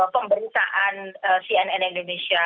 pemberitaan cnn indonesia